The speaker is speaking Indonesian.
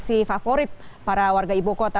aksi favorit para warga ibu kota